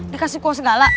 dikasih kuah segala